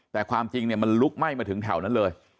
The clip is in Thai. แต่ความจริงเนี่ยมันลุกไหม้มาถึงแถวนั้นเลย